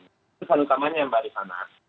itu pesan utamanya mbak rifana